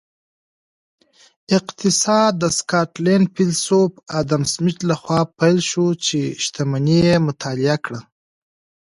اقتصاد د سکاټلینډ فیلسوف ادم سمیت لخوا پیل شو چې شتمني یې مطالعه کړه